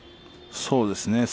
そうですね。